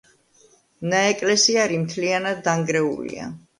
ნაეკლესიარი მთლიანად დანგრეულია.